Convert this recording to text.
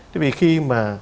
tại vì khi mà